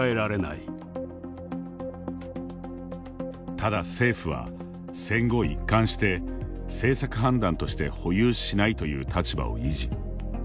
ただ政府は、戦後一貫して政策判断として保有しないという立場を維持。